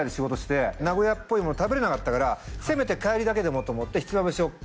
名古屋っぽいもの食べれなかったからせめて帰りだけでもと思って。